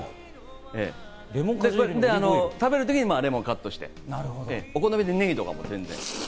食べるときにレモンをカットして、お好みでネギとかも全然。